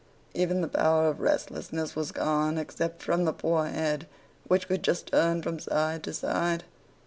Even the power of restlessness was gone, except from the poor head, which could just turn from side to side.